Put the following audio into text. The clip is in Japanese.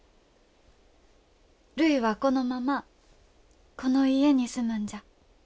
るいはこのままこの家に住むんじゃ。